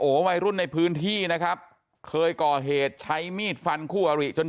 วัยรุ่นในพื้นที่นะครับเคยก่อเหตุใช้มีดฟันคู่อริจน